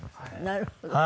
なるほど。